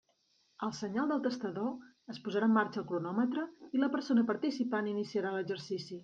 Al senyal del testador, es posarà en marxa el cronòmetre i la persona participant iniciarà l'exercici.